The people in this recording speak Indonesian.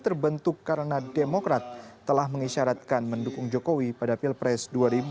terbentuk karena demokrat telah mengisyaratkan mendukung jokowi pada pilpres dua ribu sembilan belas